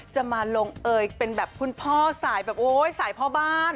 จะมาลงเอยเป็นแบบคุณพ่อสายแบบโอ๊ยสายพ่อบ้าน